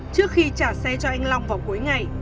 trước khi trả xe cho anh long vào cuối ngày